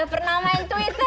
ada pernah main twitter